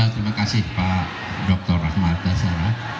terima kasih pak dr rahmat basara